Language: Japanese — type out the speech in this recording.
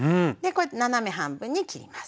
斜め半分に切ります。